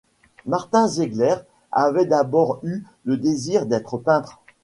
Martin Ziegler avait d’abord eu le désir d’être peintre.